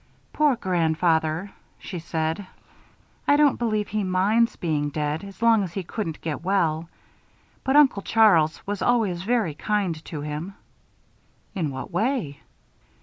"Poor grandfather," she said. "I don't believe he minds being dead, as long as he couldn't get well. But Uncle Charles was always very kind to him." "In what way?"